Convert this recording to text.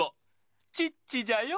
チッチじゃよ。